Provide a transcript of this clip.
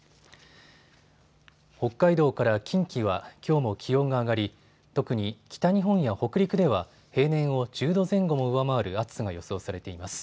北海道から近畿はきょうも気温が上がり特に北日本や北陸では平年を１０度前後も上回る暑さが予想されています。